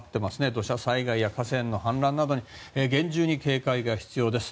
土砂災害や河川の氾濫などに厳重に警戒が必要です。